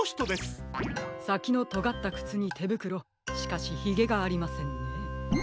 さきのとがったくつにてぶくろしかしひげがありませんね。